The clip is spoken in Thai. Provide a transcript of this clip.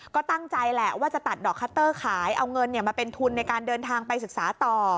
ก็ตั้งใจแหละว่าจะตัดดอกคัตเตอร์ขายเอาเงินมาเป็นทุนในการเดินทางไปศึกษาต่อ